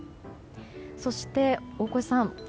そして大越さん